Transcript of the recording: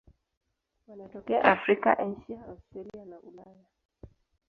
Wanatokea Afrika, Asia, Australia na Ulaya.